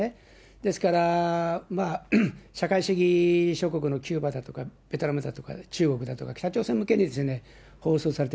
ですから社会主義諸国のキューバだとかベトナムだとか中国だとか、北朝鮮向けに放送された。